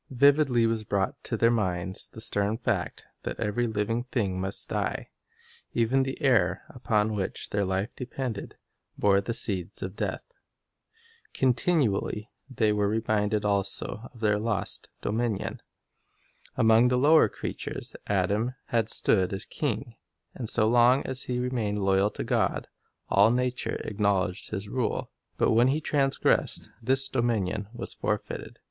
Vividly was brought to their minds the stern fact that every living thing must die. Even the air, upon which their life depended, bore the seeds of death. Continually they were reminded also of their lost dominion. Among the lower creatures Adam had stood as king, and so long as he remained loyal to God, all nature acknowledged his rule; but when he transgressed, this dominion was forfeited.